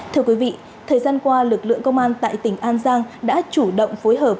thưa quý vị thời gian qua lực lượng công an tại tỉnh an giang đã chủ động phối hợp